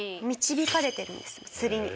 導かれてるんですよ釣りに。